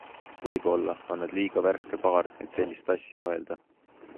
Võib-olla on nad liiga värske paar, et sellist asja mõelda.